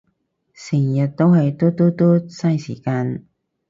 成日係到嘟嘟嘟，晒時間